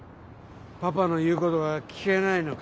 パパの言うことが聞けないのか。